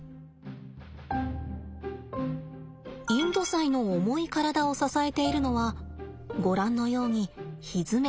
インドサイの重い体を支えているのはご覧のようにひづめです。